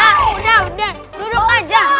eh udah udah udah duduk aja